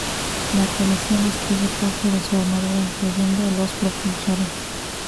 La colisión destruye parte de su armadura, incluyendo los propulsores.